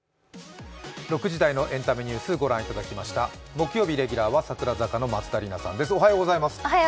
木曜日レギュラーは櫻坂の松田里奈さんです。